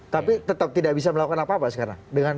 tapi tetap tidak bisa melakukan apa apa sekarang